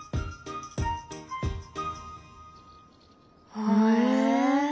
へえ。